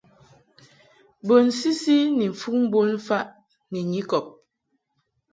Bun sisi ni mfuŋ bonfaʼ ni nyikɔb.